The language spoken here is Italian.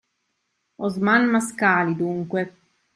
Osman Mascali, dunque.